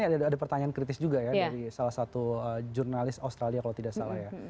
ada pertanyaan kritis juga ya dari salah satu jurnalis australia kalau tidak salah ya